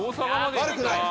悪くない！